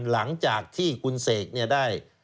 หลังจากที่คุณเสกเนี่ยได้